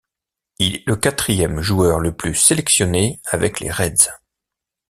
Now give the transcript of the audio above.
Il est le quatrième joueur le plus sélectionné avec les Reds.